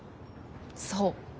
そう。